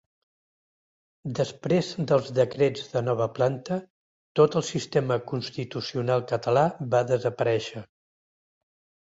Després dels decrets de Nova Planta tot el sistema constitucional català va desaparèixer.